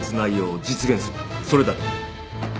それだけだ。